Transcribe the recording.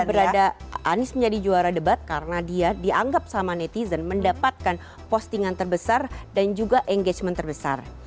dia berada anies menjadi juara debat karena dia dianggap sama netizen mendapatkan postingan terbesar dan juga engagement terbesar